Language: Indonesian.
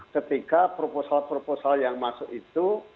ketika proposal proposal yang masuk itu